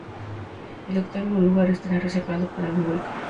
El octavo lugar estará reservado para un wildcard.